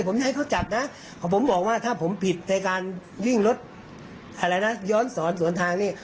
ผมจะให้เขาจับนะผมบอกว่าถ้าผมผิดในการวิ่งรถอะไรนะย้อนสอนสวนทางนี่